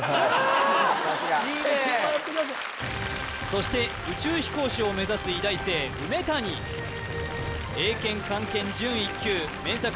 そして宇宙飛行士を目指す医大生梅谷英検漢検準１級ＭＥＮＳＡ